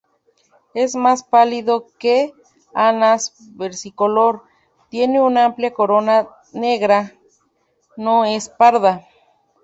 Es más pálido que "Anas versicolor", tiene una amplia corona negra, no es parda.